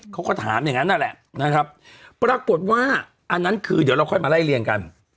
เขาก็ถามอย่างนั้นนั่นแหละนะครับปรากฏว่าอันนั้นคือเดี๋ยวเราค่อยมาไล่เรียงกัน